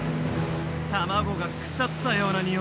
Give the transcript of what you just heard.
卵が腐ったようなにおいだ。